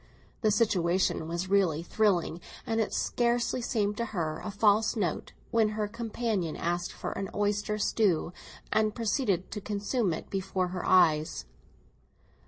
The situation was really thrilling, and it scarcely seemed to her a false note when her companion asked for an oyster stew, and proceeded to consume it before her eyes.